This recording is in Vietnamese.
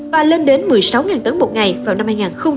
và lên đến một mươi sáu tấn một ngày vào năm hai nghìn hai mươi